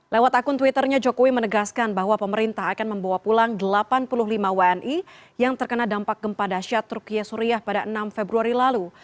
lewat akun twitternya jokowi menegaskan bahwa pemerintah akan membawa pulang delapan puluh lima wni yang terkena dampak gempa dasyat turkiye suriah pada enam februari lalu